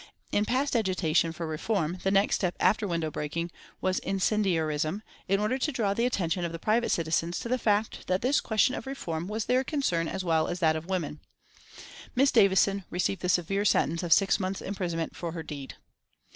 In past agitation for reform the next step after window breaking was incendiarism, in order to draw the attention of the private citizens to the fact that this question of reform was their concern as well as that of women." Miss Davison received the severe sentence of six months' imprisonment for her deed.